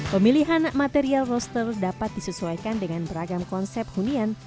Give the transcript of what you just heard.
pemilihan material roster dapat disesuaikan dengan beragam konsep hunian